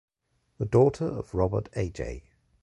The daughter of Robert A. J.